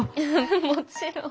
もちろん。